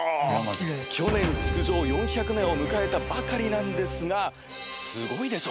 去年築城４００年を迎えたばかりなんですがすごいでしょ？